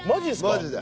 マジで。